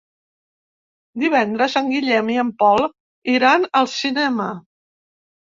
Divendres en Guillem i en Pol iran al cinema.